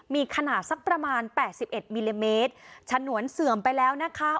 มีขนาดสักประมาณแปดสิบเอ็ดมิลลิเมตรฉนวนเสื่อมไปแล้วนะคะ